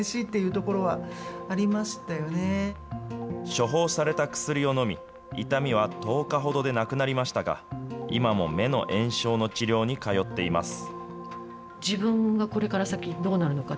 処方された薬を飲み、痛みは１０日ほどでなくなりましたが、今も目の炎症の治療に通っています。